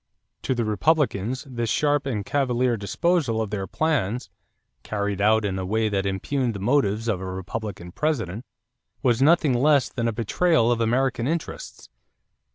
To the Republicans this sharp and cavalier disposal of their plans, carried out in a way that impugned the motives of a Republican President, was nothing less than "a betrayal of American interests."